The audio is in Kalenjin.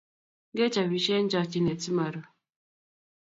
Nge chopisie eng chokchinet si ma ru